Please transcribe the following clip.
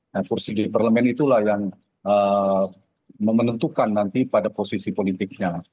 nah kursi di parlemen itulah yang mementukan nanti pada posisi politiknya